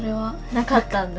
なかったんだ。